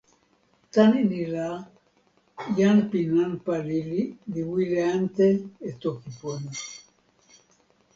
tan ni la, jan pi nanpa lili li wile ante e toki pona.